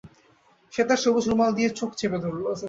সে তার সবুজ রুমাল দিয়ে চোখ চেপে ধরল।